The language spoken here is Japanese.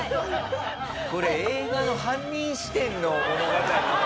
これ映画の犯人視点の物語の。